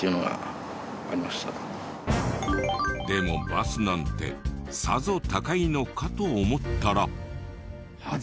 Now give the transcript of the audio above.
でもバスなんてさぞ高いのかと思ったら。